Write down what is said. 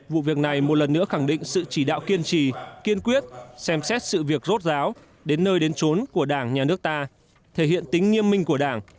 vụ việc này một lần nữa khẳng định sự chỉ đạo kiên trì kiên quyết xem xét sự việc rốt ráo đến nơi đến trốn của đảng nhà nước ta thể hiện tính nghiêm minh của đảng